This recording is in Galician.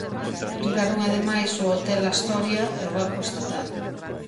Capturaron ademais o Hotel Astoria e o Banco Estatal.